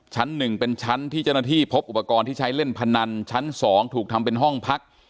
ชั้น๑เป็นชั้นที่เจ้าหน้าที่พบอุปกรณ์ที่ใช้เล่นพนันชั้น๒ถูกทำเป็นห้องพัก